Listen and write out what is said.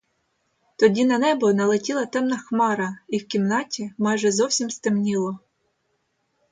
Тоді на небо налетіла темна хмара, і в кімнаті майже зовсім стемніло.